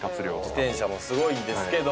「自転車もすごいんですけど」